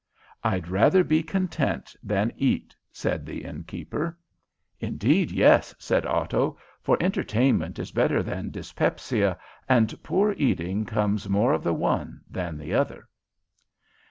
"I'd rather be content than eat," said the innkeeper. "Indeed, yes," said Otto, "for entertainment is better than dyspepsia, and poor eating comes more of the one than the other."